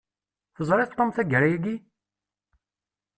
Teẓriḍ Tom tagara-yi?